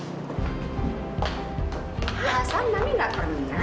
ya sana nami nggak pernah